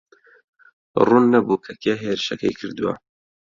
ڕوون نەبوو کە کێ هێرشەکەی کردووە.